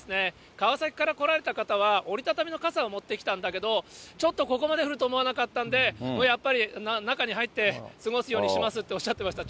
川崎から来られた方は、折り畳みの傘を持ってきたんだけれども、ちょっとここまで降ると思わなかったんで、やっぱり中に入って過ごすようにしますっておっしゃってました。